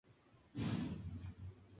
Pellegrini y Av.